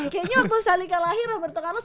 kayaknya waktu shalika lahir roberto carlos